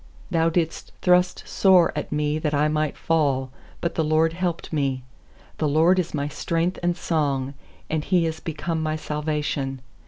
13Thou didst thrust sore at me that I might fall; But the LORD helped me. 14The LORD is my strength and song; And He is become my salvation.